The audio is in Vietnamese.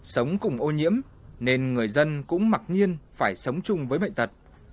sống cùng ô nhiễm nên người dân cũng mặc nhiên phải sống chung với bệnh tật